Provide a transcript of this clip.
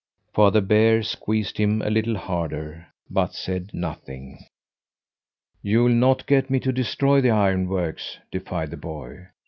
Father Bear squeezed him a little harder, but said nothing. "You'll not get me to destroy the ironworks!" defied the boy.